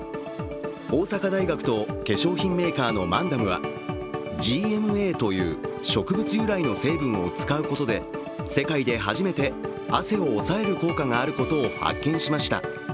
大阪大学と化粧品メーカーのマンダムはＧＭＡという植物由来の成分を使うことで世界で初めて汗を抑える効果があることを発見しました。